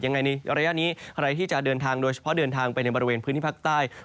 ในระยะนี้ใครที่จะเดินทางโดยเฉพาะเดินทางไปในบริเวณพื้นที่ภาคใต้